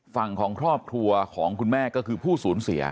ฝั่งของครอบครัวของคุณแม่ก็คือผู้สูญเสีย